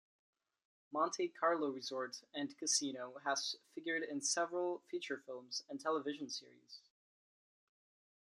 Monte Carlo Resort and Casino has figured in several feature films and television series.